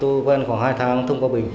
tôi quen khoảng hai tháng không có bình